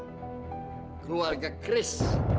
sebagai keluarga chris